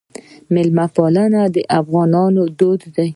میلمه پالنه د افغانانو دود دی